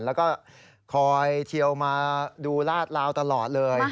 แล้วก็คอยเทียวมาดูลาดลาวตลอดเลย